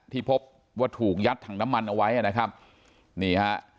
ที่พบว่าถูกยัดถังน้ำมันเอาไว้นะครับนี่ฮะ